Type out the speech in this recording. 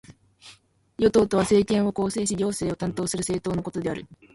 与党とは、政権を構成し行政を担当する政党のことである。